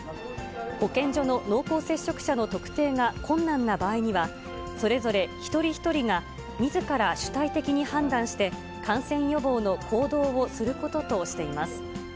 保健所の濃厚接触者の特定が困難な場合には、それぞれ一人一人が、みずから主体的に判断して、感染予防の行動をすることとしています。